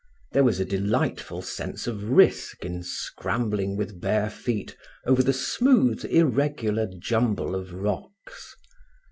There was a delightful sense of risk in scrambling with bare feet over the smooth irregular jumble of rocks.